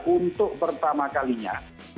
untuk pertama kalinya